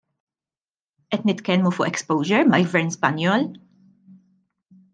Qed nitkellmu fuq exposure mal-Gvern Spanjol?